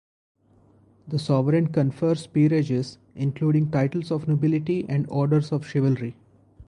The sovereign confers peerages, including titles of nobility and orders of chivalry.